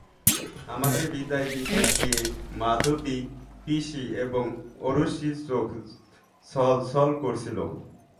আমাকে বিদায় দিতে গিয়ে মাধবী পিসি এবং আরুশির চোখ ছলছল করছিল।